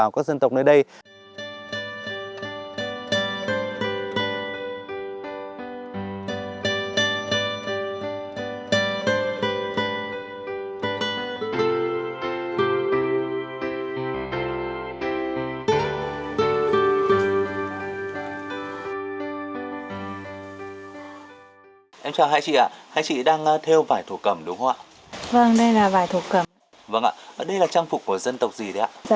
vâng ạ đây là trang phục của dân tộc gì đấy ạ